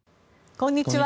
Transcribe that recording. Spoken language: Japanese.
こんにちは。